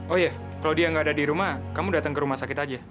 oh iya kalau dia nggak ada di rumah kamu datang ke rumah sakit aja